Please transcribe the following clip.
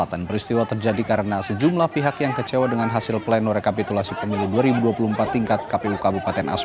atas kejadiannya warga tidak terima dengan hasil pleno rekapitulasi tingkat kabupaten